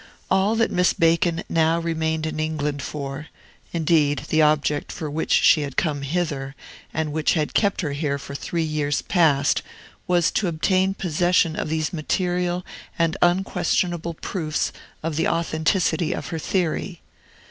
All that Miss Bacon now remained in England for indeed, the object for which she had come hither, and which had kept her here for three years past was to obtain possession of these material and unquestionable proofs of the authenticity of her theory.